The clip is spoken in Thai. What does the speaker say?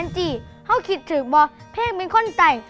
เอ็นจีข้าวคิดถึงว่าเพลงเป็นคนใจ